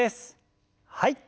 はい。